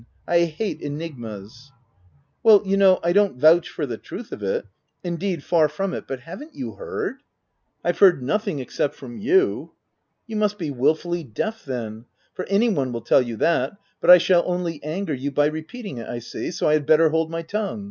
I hate enigmas/'' "Well you know, I don't vouch for the truth of it— indeed, far from it — but haven't you heard —" m " I've heard nothing , except from you." " You must be wilfully deaf then ; for any one will tell you that — but I shall only anger you by repeating it, I see ; so I had better hold my tongue."